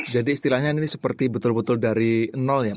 jadi istilahnya ini seperti betul betul dari nol ya